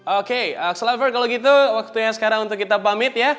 oke slaver kalau gitu waktunya sekarang untuk kita pamit ya